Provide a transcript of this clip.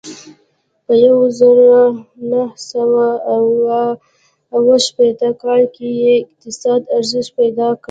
په یوه زرو نهه سوه اوه شپېتم کال کې یې اقتصاد ارزښت پیدا کړ.